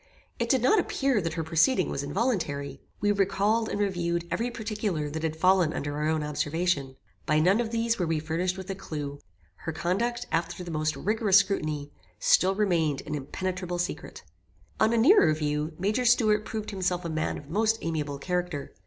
It did not appear that her proceeding was involuntary. We recalled and reviewed every particular that had fallen under our own observation. By none of these were we furnished with a clue. Her conduct, after the most rigorous scrutiny, still remained an impenetrable secret. On a nearer view, Major Stuart proved himself a man of most amiable character.